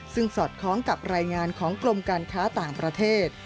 ซึ่งสอดคล้องกับรายงานของกรมการค้าต่างประเทศ